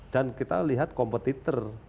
dan kita lihat kompetitor